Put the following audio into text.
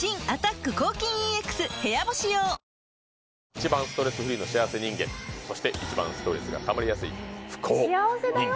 一番ストレスフリーの幸せ人間そして一番ストレスがたまりやすい不幸人間幸せだよ